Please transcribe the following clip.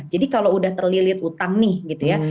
jadi kalau udah terlilit hutang nih gitu ya